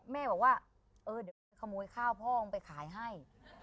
แม่บอกว่าเออเดี๋ยวก็จะขโมยข้าวพ่อไปขายให้